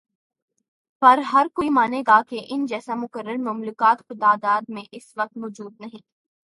پر ہرکوئی مانے گا کہ ان جیسا مقرر مملکت خداداد میں اس وقت موجود نہیں۔